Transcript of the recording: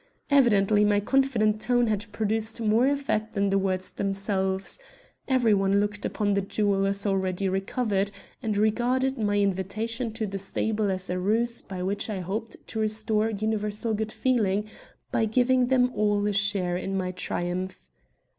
Evidently my confident tone had produced more effect than the words themselves. Every one looked upon the jewel as already recovered and regarded my invitation to the stable as a ruse by which I hoped to restore universal good feeling by giving them all a share in my triumph.